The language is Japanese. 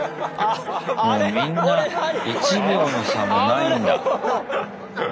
もうみんな１秒の差もないんだ。